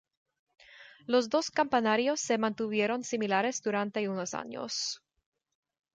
Los dos campanarios se mantuvieron similares durante unos años.